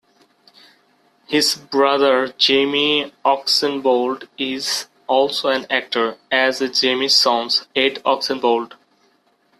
His brother Jamie Oxenbould is also an actor, as is Jamie's son, Ed Oxenbould.